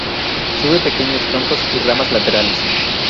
Sube pequeños troncos y ramas laterales.